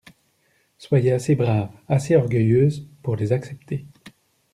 Soyez assez brave, assez orgueilleuse pour les accepter.